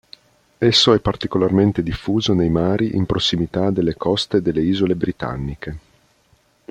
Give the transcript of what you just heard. Esso è particolarmente diffuso nei mari in prossimità delle coste delle Isole Britanniche.